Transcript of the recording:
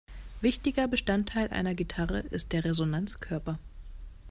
Wichtiger Bestandteil einer Gitarre ist der Resonanzkörper.